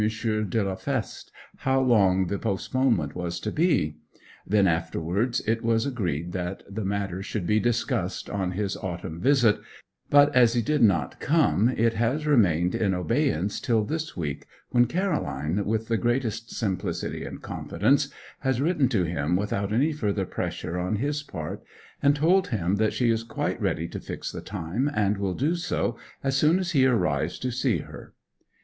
de la Feste how long the postponement was to be; then, afterwards, it was agreed that the matter should be discussed on his autumn visit; but as he did not come, it has remained in abeyance till this week, when Caroline, with the greatest simplicity and confidence, has written to him without any further pressure on his part, and told him that she is quite ready to fix the time, and will do so as soon as he arrives to see her.